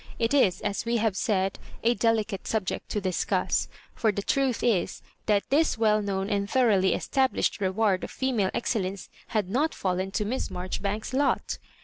It is, as we have said, a delicate subject to discuss ; for the truth is, that this well known and thoroughly established reward of female ex cellence had not fallen to Miss Marjoribanks's lot.